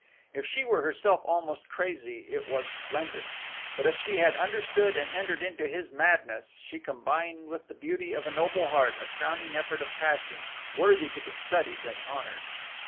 If she were herself almost crazy, it was splendid; but if she had understood and entered into his madness, she combined with the beauty of a noble heart a crowning effort of passion worthy to be studied and honored.